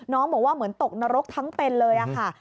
น้องบอกว่าเหมือนตกนรกทั้งเป็นเลยค่ะ